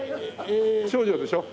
長女でしょ？